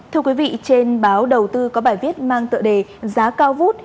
thưa quý vị trên báo đầu tư có bài viết mang tựa đề giá cao vút